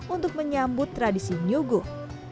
untuk menyambut tradisi nyuguh